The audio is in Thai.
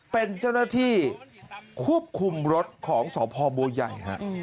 เป็นเจ้าหน้าที่ควบคุมรถของสพบัวใหญ่ฮะ